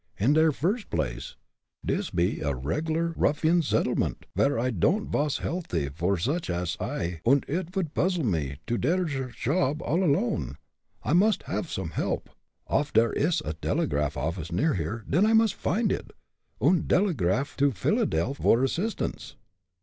"In der virst blace, dis be a reg'lar ruffian seddlement, vere id don'd vas healthy vor such ash I, und id would puzzle me to do der shob all alone. I must haff some help. Off der ish a delegraph office near here, den I must find id, und delegraph to Philadelf vor assistance.